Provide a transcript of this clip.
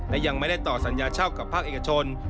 และยังไม่ได้ต่อสัญญาเช่ากับภาคเอกชน